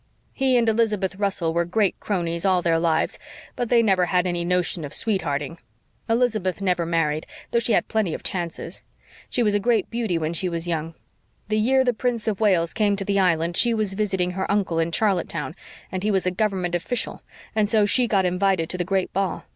He and Elizabeth Russell were great cronies, all their lives, but they never had any notion of sweet hearting. Elizabeth never married, though she had plenty of chances. She was a great beauty when she was young. The year the Prince of Wales came to the Island she was visiting her uncle in Charlottetown and he was a Government official, and so she got invited to the great ball.